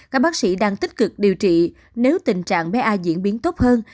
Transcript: các bác sĩ đang tích cực điều trị nếu tình trạng bé ai diễn biến tốt hơn